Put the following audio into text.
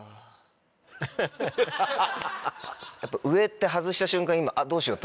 上って外した瞬間。